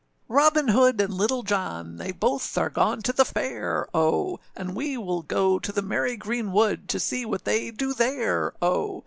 â] ROBIN HOOD and Little John, They both are gone to the fair, O! And we will go to the merry green wood, To see what they do there, O!